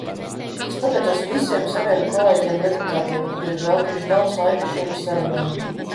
Es pateicos visiem saviem kolēģiem deputātiem, kuri ir veltījuši daudz laika šīm sarunām.